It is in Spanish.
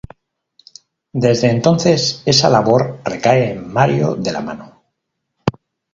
Desde entonces esa labor recae en Mario de la Mano.